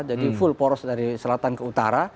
jadi full poros dari selatan ke utara